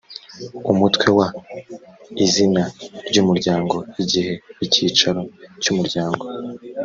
umutwe wa i: izina ry’ umuryango. igihe, icyicaro cy’umuryango